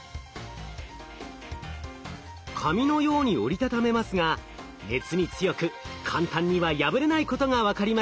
紙のように折り畳めますが熱に強く簡単には破れないことが分かりました。